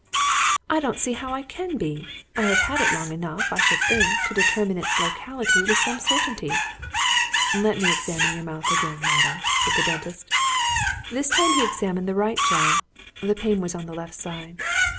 "I don't see how I can be. I have had it long enough, I should think, to determine its locality with some certainty." "Let me examine your mouth again, madam," said the dentist. This time he examined the right jaw the pain was on the left side.